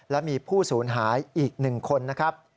และมีผู้สูญหายอีก๑คนนะครับ